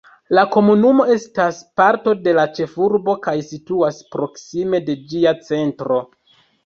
La komunumo estas parto de la ĉefurbo kaj situas proksime de ĝia centro.